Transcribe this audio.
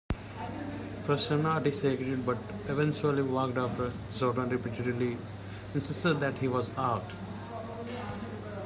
Prasanna disagreed but eventually walked after Jordon repeatedly insisted that he was out.